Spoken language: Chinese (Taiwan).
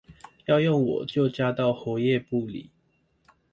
要用我就加到活頁簿裡